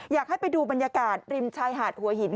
อยากให้ไปดูบรรยากาศริมชายหาดหัวหิน